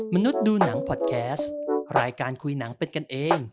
มนุษย์ดูหนังพอดแคสต์รายการคุยหนังเป็นกันเอง